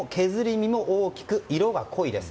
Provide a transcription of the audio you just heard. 身も大きく色が濃いです。